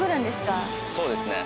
そうですね。